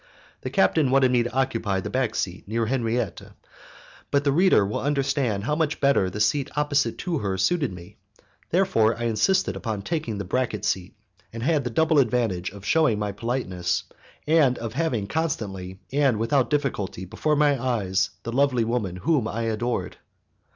The captain wanted me to occupy the back seat near Henriette, but the reader will understand how much better the seat opposite to her suited me; therefore I insisted upon taking the bracket seat, and had the double advantage of shewing my politeness, and of having constantly and without difficulty before my eyes the lovely woman whom I adored.